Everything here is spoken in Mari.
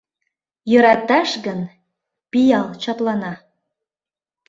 Йӧраташ гын, пиал чаплана.